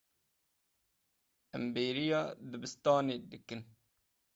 Em bêriya dibistanê dikin.